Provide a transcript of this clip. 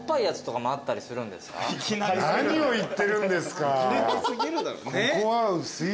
何を言ってるんですか。